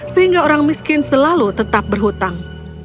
sehingga orang miskin selalu tetap berhutang